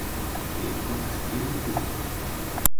Té un estil únic.